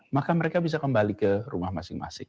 maka mereka bisa kembali ke rumah masing masing